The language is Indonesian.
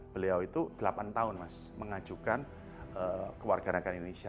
beliau itu delapan tahun mengajukan ke warga negara indonesia